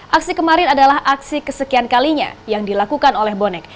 aksi kemarin adalah aksi kesekian kalinya yang dilakukan oleh bonek